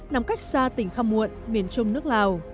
nằm cách xa tỉnh khăm muộn miền trung nước lào